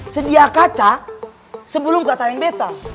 sedia kaca sebelum kata yang bete